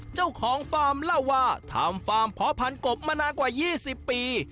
เจ้าของฟาร์มเล่าว่าทำฟาร์มพอพันธ์กบมานานกว่ายี่สิบปี